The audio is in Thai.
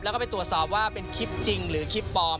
แล้วก็ไปตรวจสอบว่าเป็นคลิปจริงหรือคลิปปลอม